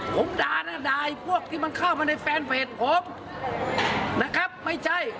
ผมด่านะด่าไอ้พวกที่มันเข้ามาในแฟนเพจผมนะครับไม่ใช่